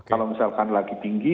kalau misalkan lagi tinggi